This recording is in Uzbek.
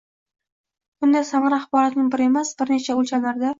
Bunday samara axborotning bir emas – bir nechta o‘lchamlarda